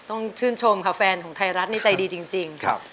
ต้องชื่นชมค่ะแฟนของไทยรัฐนี่ใจดีจริง